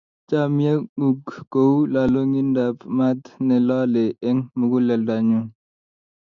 Chomye ng'ung' kou lalong'idap maat ne lolei eng' muguleldanyu.